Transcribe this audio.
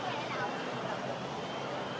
ขึ้นสวัสดีครับ